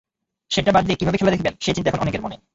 সেটা বাদ দিয়ে কীভাবে খেলা দেখবেন, সেই চিন্তা এখন অনেকের মনে।